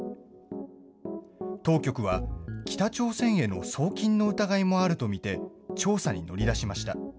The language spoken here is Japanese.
当局は、北朝鮮への送金の疑いもあると見て調査に乗り出しました。